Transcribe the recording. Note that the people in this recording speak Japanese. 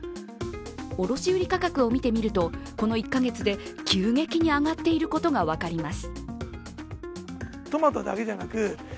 卸売価格を見てみると、この１カ月で急激に上がっていることが分かります。